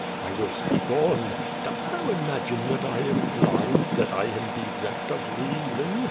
I will speak on. Dost thou imagine that I am blind, that I am bereft of reason?